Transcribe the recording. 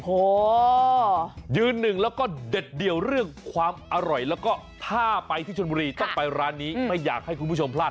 โอ้โหยืนหนึ่งแล้วก็เด็ดเดี่ยวเรื่องความอร่อยแล้วก็ถ้าไปที่ชนบุรีต้องไปร้านนี้ไม่อยากให้คุณผู้ชมพลาด